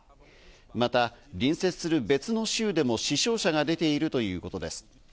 また隣接する別の州でも死傷者が出ているということです。